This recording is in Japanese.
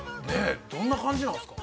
どんな感じなんすか？